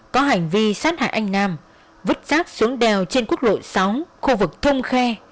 có hành vi sát hại anh nam vứt rác xuống đèo trên quốc lộ sáu khu vực thông khe